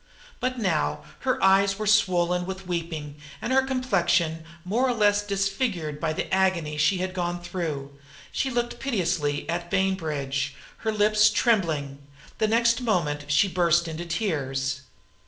But now her eyes were swollen with weeping and her complexion more or less disfigured by the agony she had gone through. She looked piteously at Bainbridge, her lips trembling. The next moment she burst into tears.